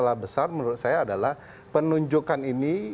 yang paling besar menurut saya adalah penunjukan ini